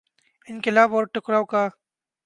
انقلاب اور ٹکراؤ کا۔